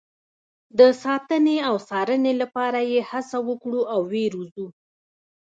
د ساتنې او څارنې لپاره یې هڅه وکړو او ویې روزو.